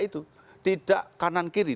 itu tidak kanan kiri